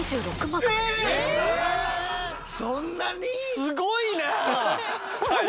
すごいな！